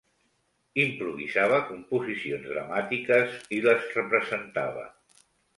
Improvisava composicions dramatiques i les representava